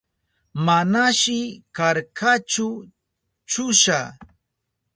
Manashi karkachu chusha.